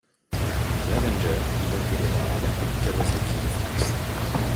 L'Avenger inaugurera la Coupe Kawasaki en France.